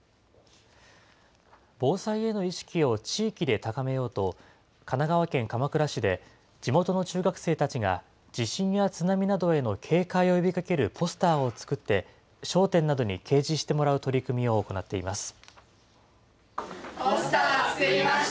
防災への意識を地域で高めようと、神奈川県鎌倉市で、地元の中学生たちが地震や津波などへの警戒を呼びかけるポスターを作って商店などに掲示してもらう取り組みを行っています。